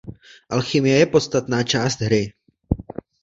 Alchymie je podstatná část hry.